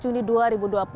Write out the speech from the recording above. kami keluar rumah kota mati